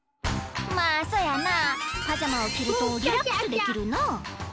まあそやなパジャマをきるとリラックスできるな。